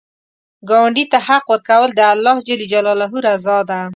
ګاونډي ته حق ورکول، د الله رضا ده